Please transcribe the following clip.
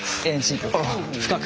深く。